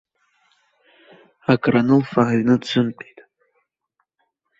Акранылфа аҩны дзымтәеит.